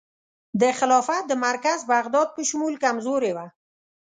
د خلافت د مرکز بغداد په شمول کمزوري وه.